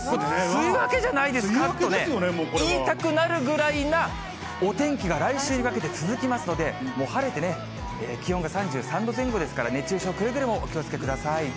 梅雨明けですよね、もうこれ言いたくなるくらいなお天気が来週にかけて続きますので、もう晴れてね、気温が３３度前後ですから、熱中症、くれぐれもお気をつけください。